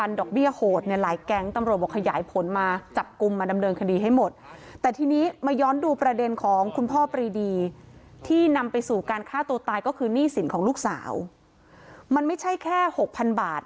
ที่นำไปสูงการฆ่าตัวตายก็คือนี่สินของลูกสาวมันไม่ใช่แค่หกพันบาท